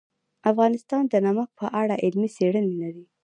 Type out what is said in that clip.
افغانستان د نمک په اړه علمي څېړنې لري.